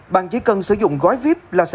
bạn chỉ cần sử dụng gói viếp là sẽ